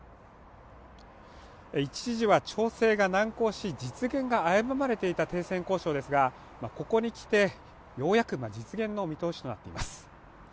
一時は調整が難航し実現が危ぶまれていた停戦交渉ですがここにきてようやくが実現の見通しとなっています